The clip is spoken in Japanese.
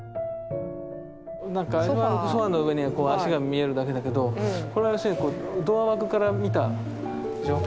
なんかあれはソファーの上に足が見えるだけだけどこの足はドア枠から見たでしょ。